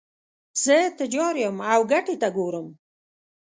زه تجار یم او ګټې ته ګورم.